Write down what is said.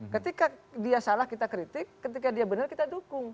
ketika dia salah kita kritik ketika dia benar kita dukung